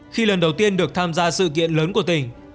khi lần đầu tiên được tham gia sự kiện lớn của tỉnh